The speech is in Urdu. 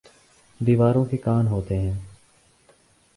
دیواروں کے کان ہوتے ہیں